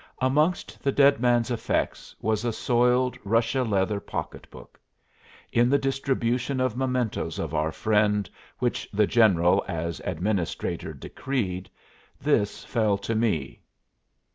Amongst the dead man's effects was a soiled Russia leather pocketbook. In the distribution of mementoes of our friend, which the general, as administrator, decreed, this fell to me.